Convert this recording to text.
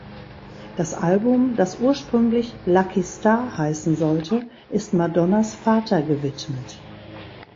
Das Album, das ursprünglich "Lucky Star" heißen sollte, ist Madonnas Vater gewidmet.